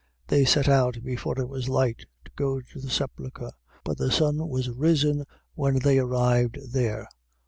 . .They set out before it was light, to go to the sepulchre; but the sun was risen when they arrived there.